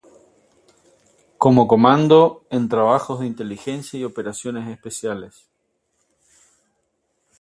Como comando, en trabajos de Inteligencia y Operaciones Especiales.